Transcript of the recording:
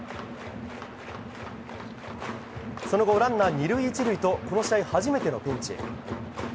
その後、ランナー２塁１塁とこの試合初めてのピンチ。